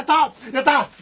やった！